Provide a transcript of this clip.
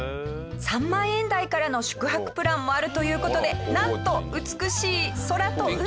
３万円台からの宿泊プランもあるという事でなんと美しい空と海！